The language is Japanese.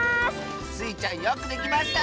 スイちゃんよくできました！